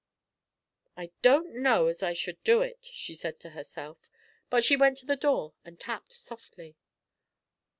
"I don't know as I should do it," she said to herself, but she went to the door and tapped softly.